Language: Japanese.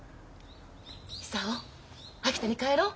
久男秋田に帰ろう？